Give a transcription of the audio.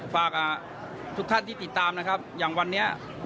ฝากทุกท่านที่ติดตามนะครับอย่างวันนี้